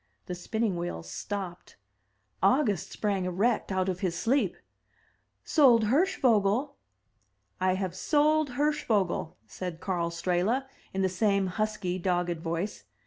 The spinning wheel stopped. August sprang erect out of his sleep. "Sold Hirschvogel!" "I have sold Hirschvogel!" said Karl Strehla, in the same husky, dogged voice.